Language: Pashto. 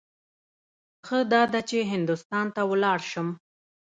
ښه داده چې هندوستان ته ولاړ شم.